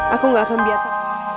aku gak akan biarkan